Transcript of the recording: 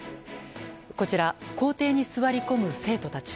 こちら、校庭に座り込む生徒たち。